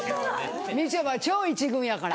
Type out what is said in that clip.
みちょぱ超１軍やから。